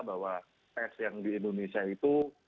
bahwa tes yang di indonesia itu